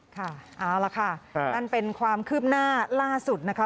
ค่ะเอาล่ะค่ะนั่นเป็นความคืบหน้าล่าสุดนะคะ